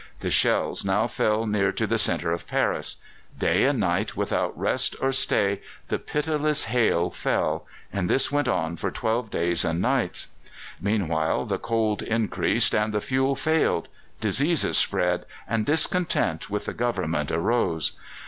The shells now fell near to the centre of Paris; day and night without rest or stay the pitiless hail fell, and this went on for twelve days and nights. Meanwhile the cold increased and the fuel failed; diseases spread, and discontent with the Government arose.